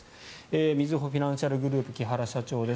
みずほフィナンシャルグループ木原社長です。